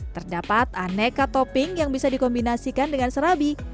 terdapat aneka topping yang bisa dikombinasikan dengan serabi